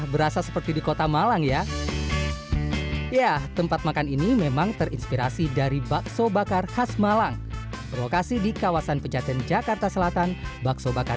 masakan bakar selanjutnya